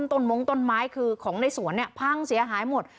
มงต้นไม้คือของในสวนเนี่ยพังเสียหายหมด